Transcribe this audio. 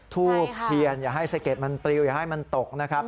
ทูบเทียนอย่าให้สะเด็ดมันปลิวอย่าให้มันตกนะครับ